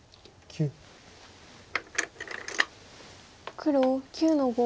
黒９の五。